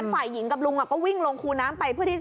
ผ่ายหญิงกับลุงก็วิ่งลงแล้ว